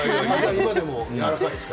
今もやわらかいですか？